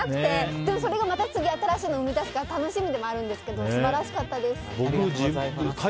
でもそれがまた次のを生み出すから楽しみでもあるんですけど素晴らしかったです。